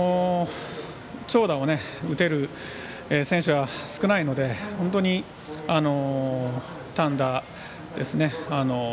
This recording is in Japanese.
長打を打てる選手は少ないので本当に単打ですね